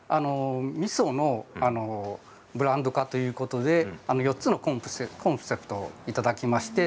みそのブランド化ということで４つのコンセプトをいただきました。